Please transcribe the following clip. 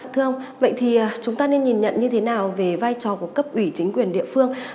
thưa ông vậy thì chúng ta nên nhìn nhận như thế nào về vai trò của cấp ủy chính quyền địa phương